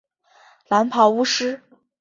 蓝袍巫师。